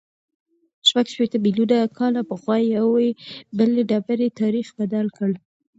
شپږ شپېته میلیونه کاله پخوا یوې بلې ډبرې تاریخ بدل کړ.